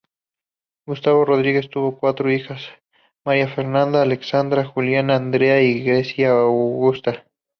Gustavo Rodríguez tuvo cuatro hijas: María Fernanda, Alexandra, Juliana Andrea y Grecia Augusta.